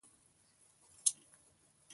د کهسان ولسوالۍ پولې ته نږدې ده